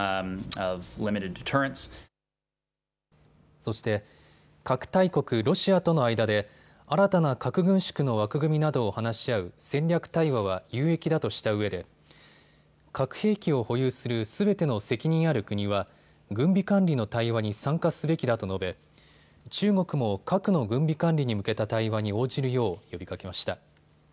そして核大国ロシアとの間で新たな核軍縮の枠組みなどを話し合う戦略対話は有益だとしたうえで核兵器を保有するすべての責任ある国は軍備管理の対話に参加すべきだと述べ中国も核の軍備管理に向けた対話に応じるよう呼びかけました。